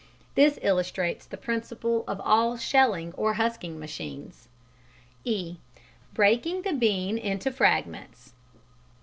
This illustrates the principle of all shelling or husking machines. (e) _Breaking the Bean into Fragments.